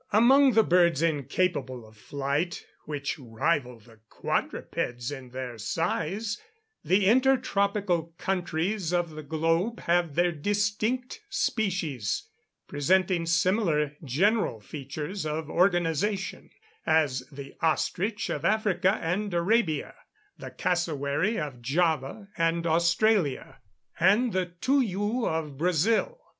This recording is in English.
Among the birds incapable of flight, which rival the quadrupeds in their size, the intertropical countries of the globe have their distinct species, presenting similar general features of organisation, as the ostrich of Africa and Arabia, the cassowary of Java and Australia, and the touyou of Brazil.